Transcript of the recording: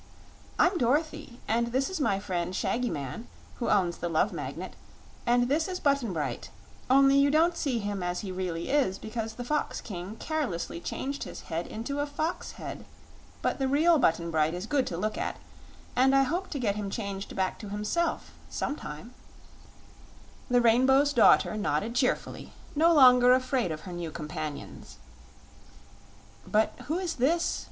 "I'm Dorothy; and this is my friend Shaggy Man, who owns the Love Magnet; and this is Button Bright only you don't see him as he really is because the Fox King carelessly changed his head into a fox head. But the real Button Bright is good to look at, and I hope to get him changed back to himself, some time." The Rainbow's Daughter nodded cheerfully, no longer afraid of her new companions. "But who is this?"